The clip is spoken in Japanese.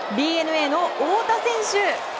ＤｅＮＡの大田選手。